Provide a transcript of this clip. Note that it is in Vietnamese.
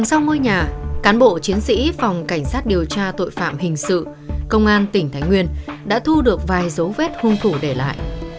trong ngôi nhà cán bộ chiến sĩ phòng cảnh sát điều tra tội phạm hình sự công an tỉnh thái nguyên đã thu được vài dấu vết hung thủ để lại